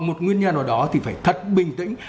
một nguyên nhân nào đó thì phải thật bình tĩnh